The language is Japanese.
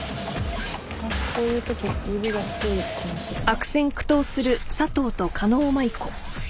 こういうとき指が太いかもしれない。